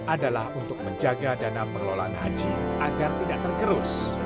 adalah untuk menjaga dana perlolaan haji agar tidak terkerus